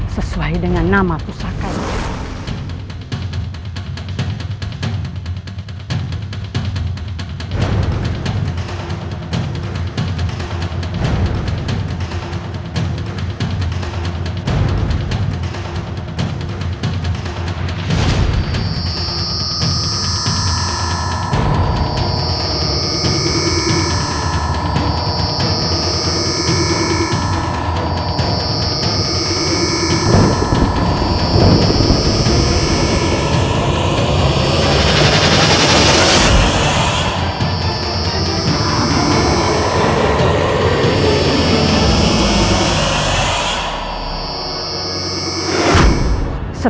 sesuai dengan nama pusakanya